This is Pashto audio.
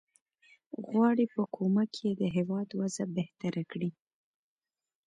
غواړي په کومک یې د هیواد وضع بهتره کړي.